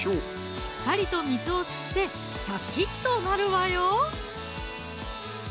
しっかりと水を吸ってシャキッとなるわよ